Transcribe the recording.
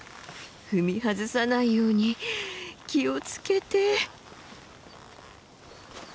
踏み外さないように気を付けて。